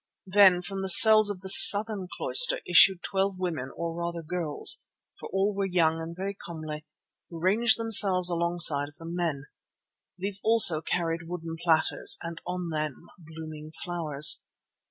Then from the cells of the southern cloister issued twelve women, or rather girls, for all were young and very comely, who ranged themselves alongside of the men. These also carried wooden platters, and on them blooming flowers.